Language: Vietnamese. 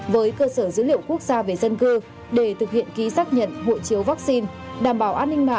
với cơ sở dữ liệu quốc gia về dân cư để thực hiện ký xác nhận hội chiếu vaccine